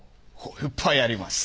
いっぱいあります